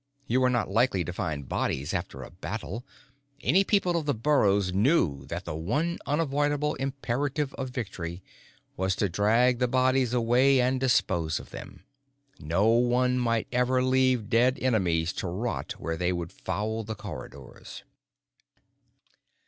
You were not likely to find bodies after a battle. Any people of the burrows knew that the one unavoidable imperative of victory was to drag the bodies away and dispose of them. No one might ever leave dead enemies to rot where they would foul the corridors.